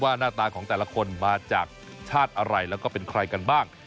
หน้าตาของแต่ละคนมาจากชาติอะไรแล้วก็เป็นใครกันบ้าง